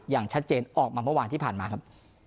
อย่างชัดเจนออกมาเมื่อวานที่ผ่านมาครับ